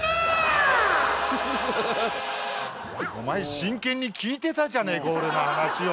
お前真剣に聞いてたじゃねえか俺の話を。